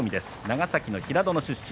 長崎の平戸の出身。